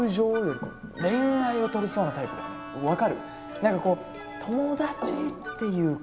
何かこう友だちっていうか。